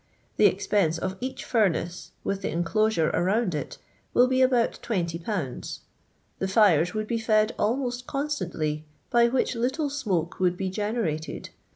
The expense of each furnace, with the inclosure around it, will be about 20/. The fires would be fed almost con stantly, by which little smoke would be generated.